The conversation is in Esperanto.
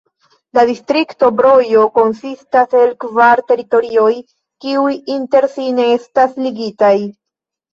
La distrikto Brojo konsistas el kvar teritorioj, kiuj inter si ne estas ligitaj.